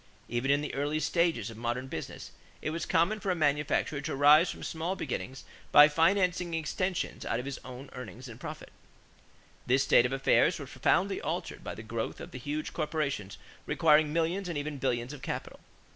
Even in the early stages of modern business, it was common for a manufacturer to rise from small beginnings by financing extensions out of his own earnings and profits. This state of affairs was profoundly altered by the growth of the huge corporations requiring millions and even billions of capital.